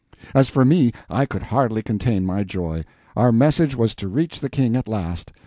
As for me, I could hardly contain my joy—our message was to reach the King at last!